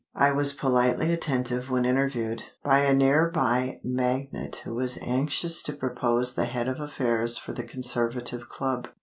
I was politely attentive when interviewed by a near by magnate who was anxious to propose the Head of Affairs for the Conservative Club.